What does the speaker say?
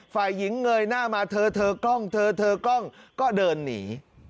ฝ่ายหญิงเงยหน้ามาเธอเธอกล้องเธอเธอกล้องก็เดินหนี